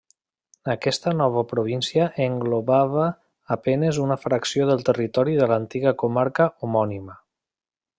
Aquesta nova província englobava a penes una fracció del territori de l'antiga comarca homònima.